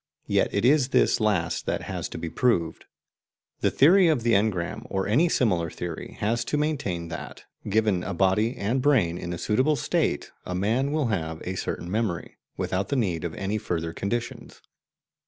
Yet it is this last that has to be proved. The theory of the engram, or any similar theory, has to maintain that, given a body and brain in a suitable state, a man will have a certain memory, without the need of any further conditions.